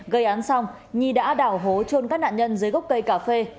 gây án xong nhi đã đào hố trôn các nạn nhân dưới gốc cây cà phê